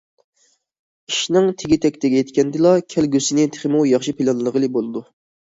ئىشنىڭ تېگى تەكتىگە يەتكەندىلا، كەلگۈسىنى تېخىمۇ ياخشى پىلانلىغىلى بولىدۇ.